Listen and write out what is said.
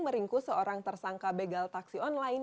meringkus seorang tersangka begal taksi online